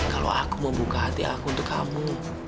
kalau aku mau buka hati aku untuk kamu